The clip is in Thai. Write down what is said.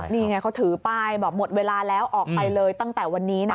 นี่ไงเขาถือป้ายบอกหมดเวลาแล้วออกไปเลยตั้งแต่วันนี้นะ